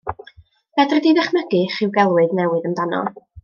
Fedri di ddychmygu rhyw gelwydd newydd amdano?